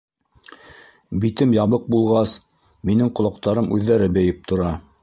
Битем ябыҡ булғас, минең ҡолаҡтарым үҙҙәре бейеп тора.